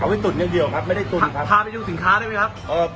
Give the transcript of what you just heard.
เอาไว้ตุนอย่างเดียวครับไม่ได้ตุนครับพาไปยุ่งสินค้าได้ไหมครับ